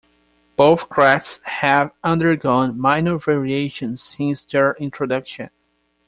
Both crests have undergone minor variations since their introduction.